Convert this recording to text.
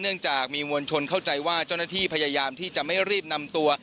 เนื่องจากมีมวลชนเข้าใจว่าเจ้าหน้าที่พยายามที่จะไม่รีบนำตัว